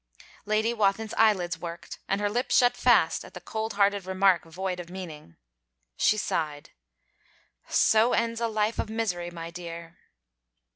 Lady Wathin's eyelids worked and her lips shut fast at the cold hearted remark void of meaning. She sighed. 'So ends a life of misery, my dear!'